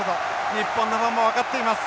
日本のファンも分かっています。